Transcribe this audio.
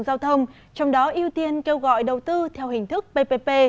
giao thông trong đó ưu tiên kêu gọi đầu tư theo hình thức ppp